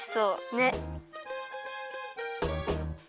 ねっ。